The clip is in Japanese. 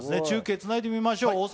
中継つないでみましょう。